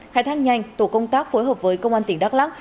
khai thác nhanh tổ công tác phối hợp với công an tỉnh đắk lắc